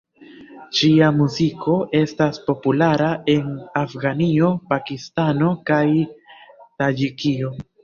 Ŝia muziko estas populara en Afganio, Pakistano kaj Taĝikio.